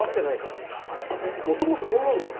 もともとこんなんだろ。